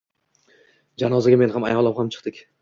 Janozaga men ham, ayolim ham chiqdik.